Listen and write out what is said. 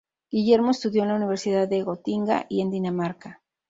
Guillermo estudió en la Universidad de Gotinga y en Dinamarca.